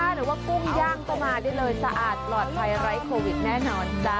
หรือว่ากุ้งย่างก็มาได้เลยสะอาดปลอดภัยไร้โควิดแน่นอนจ๊ะ